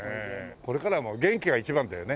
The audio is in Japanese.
これからはもう元気が一番だよね。